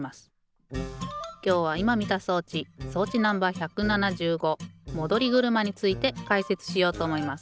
きょうはいまみた装置装置Ｎｏ．１７５戻り車についてかいせつしようとおもいます。